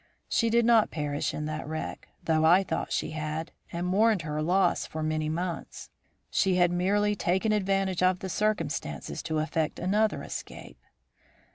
She did not perish in that wreck, though I thought she had, and mourned her loss for many months. She had merely taken advantage of the circumstances to effect another escape.